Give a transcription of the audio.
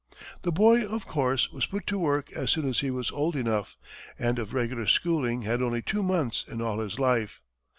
The boy, of course, was put to work as soon as he was old enough, and of regular schooling had only two months in all his life.